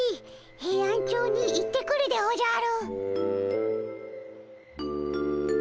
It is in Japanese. ヘイアンチョウに行ってくるでおじゃる。